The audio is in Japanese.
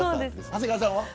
長谷川さんは。